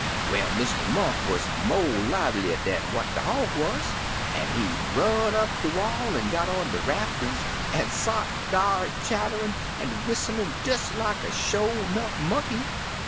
Well Mr. Monk wuz mo* livelier dan what de hog wuz, an* he run up de wall, an* got on de rafters, an* sot dar chatterin' an* whis*lin* des like a sho* *nough monkey.